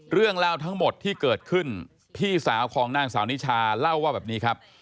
เรื่องเล่าทั้งหมดที่เกิดขึ้นพี่สาวของนางสาวนิชาเล่าว่าแบบนี้ครับ